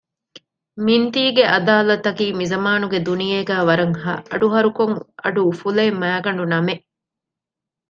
މިންތީގެ އަދާލަތަކީ މިޒަމާނުގެ ދުނިޔޭގައި ވަރަށް އަޑުހަރުކޮށް އަޑުއުފުލޭ މައިގަނޑުނަމެއް